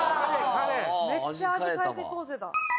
めっちゃ「味変えていこうぜ」だ。